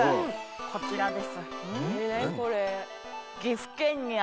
こちらです。